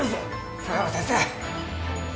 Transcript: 相良先生！